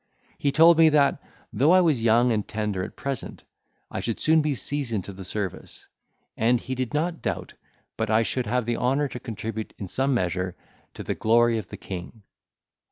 He told me that, though I was young and tender at present, I should soon be seasoned to the service; and he did not doubt but I should have the honour to contribute in some measure to the glory of the king.